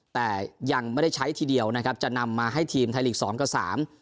แต่ยังไม่ได้ใช้ทีเดียวนะครับจะนำมาให้ทีมไทยลีกสองกับสาม